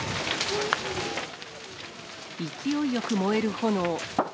勢いよく燃える炎。